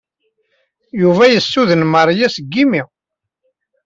Yuba yessuden Maria seg yimi.